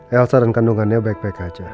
elsa dan kandungannya baik baik aja